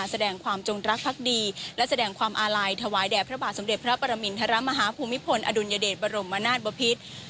แสดงความจงรักภักดีและแสดงความอาลัยถวายแด่พระบาทสมเด็จพระปรมินทรมาฮภูมิพลอดุลยเดชบรมนาศบพิษ